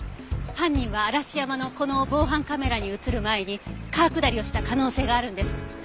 犯人は嵐山のこの防犯カメラに映る前に川下りをした可能性があるんです。